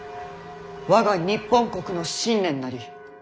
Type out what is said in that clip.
我が日本国の新年なり。